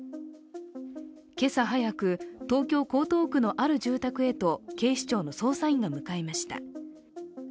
今朝早く、東京・江東区のある住宅へと警視庁の捜査員が向かいました。